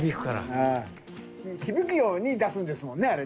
響くように出すんですもんねあれね。